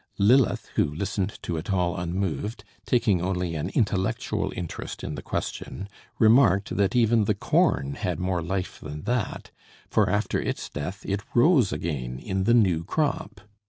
Lilith, who listened to it all unmoved, taking only an intellectual interest in the question, remarked that even the corn had more life than that; for, after its death, it rose again in the new crop.